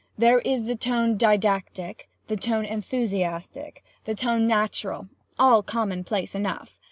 There is the tone didactic, the tone enthusiastic, the tone natural—all commonplace enough.